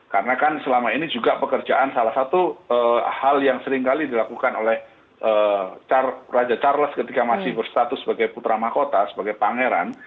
karena kan selama ini juga pekerjaan salah satu hal yang seringkali dilakukan oleh raja charles ketika masih berstatus sebagai putra mahkota sebagai pangeran